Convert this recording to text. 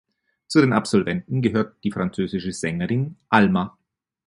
Zu den Absolventen gehört die französische Sängerin Alma.